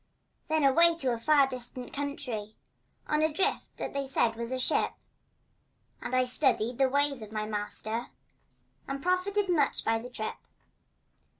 Then away to a far distant country On a drift that they said was a ship, And I studied the ways of my master And profited much by the trip.